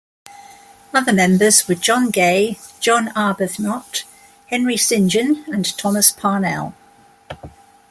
Other members were John Gay, John Arbuthnot, Henry Saint John and Thomas Parnell.